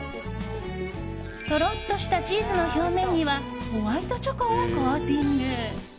とろっとしたチーズの表面にはホワイトチョコをコーティング。